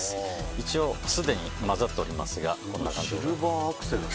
一応すでに混ざっておりますがこんな感じに。